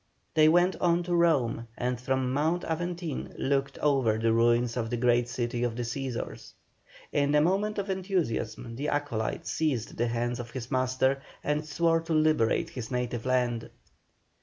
They went on to Rome, and from Mount Aventine looked over the ruins of the great city of the Cæsars. In a moment of enthusiasm the Acolyte seized the hands of his master, and swore to liberate his native land.